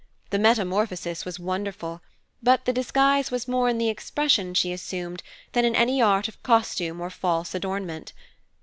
The metamorphosis was wonderful, but the disguise was more in the expression she assumed than in any art of costume or false adornment.